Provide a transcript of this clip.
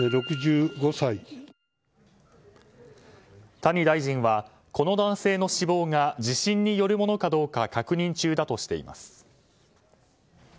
谷大臣はこの男性の死亡が地震によるものかどうか確認中だとしています。